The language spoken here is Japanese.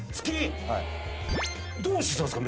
どうしてたんすか？